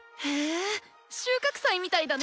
収穫祭みたいだね。